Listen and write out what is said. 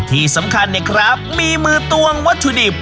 ที่สำคัญเนี่ยครับมีมือตวงวัตถุดิบ